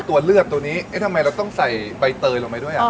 ตัวเลือดตัวนี้เอ๊ะทำไมเราต้องใส่ใบเตยลงไปด้วยอ่ะ